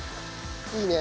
いいね。